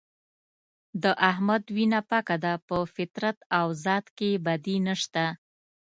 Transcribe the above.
د احمد وینه پاکه ده په فطرت او ذات کې یې بدي نشته.